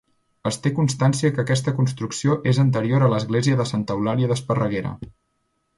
Es té constància que aquesta construcció és anterior a l'església de Santa Eulàlia d'Esparreguera.